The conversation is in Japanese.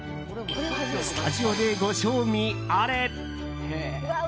スタジオでご賞味あれ。